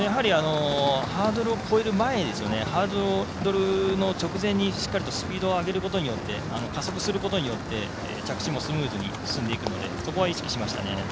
ハードルを越える前ハードルの直前にしっかりとスピードを上げることによって加速することによって着地もスムーズに進んでいくのでそこは意識しました。